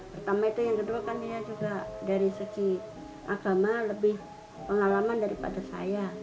pertama itu yang kedua kan dia juga dari segi agama lebih pengalaman daripada saya